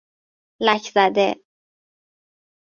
لکزده